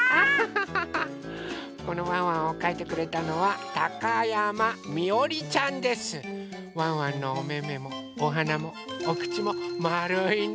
このワンワンをかいてくれたのはワンワンのおめめもおはなもおくちもまるいね。